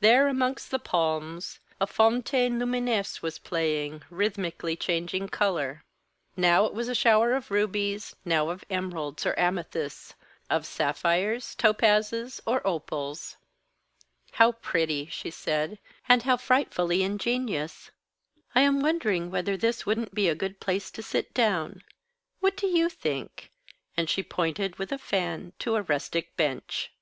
There, amongst the palms, a fontaine lumineuse was playing, rhythmically changing colour. Now it was a shower of rubies; now of emeralds or amethysts, of sapphires, topazes, or opals. "How pretty," she said, "and how frightfully ingenious. I am wondering whether this wouldn't be a good place to sit down. What do you think?" And she pointed with a fan to a rustic bench.